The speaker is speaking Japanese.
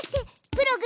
プログ！